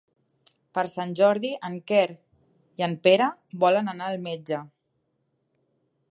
Per Sant Jordi en Quer i en Pere volen anar al metge.